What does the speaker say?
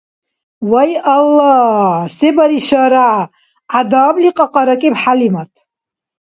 «Вай Аллагь, се баришара!», гӀядабли кьакьаракӀиб ХӀялимат.